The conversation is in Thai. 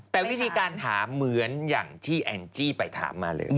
แต่วิธีการถามเหมือนอย่างที่แองจี้ไปถามมาเลย